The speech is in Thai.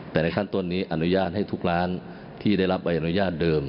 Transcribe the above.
แต่ในขั้นต้นนี้อนุญาตให้ทุกร้านที่ได้รับใบอนุญาตเดิม